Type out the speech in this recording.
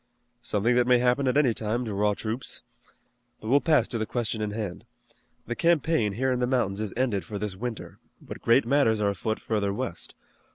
"Something that may happen at any time to raw troops. But we'll pass to the question in hand. The campaign here in the mountains is ended for this winter, but great matters are afoot further west.